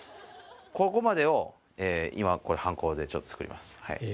ここまでを今はんこでちょっと作ります。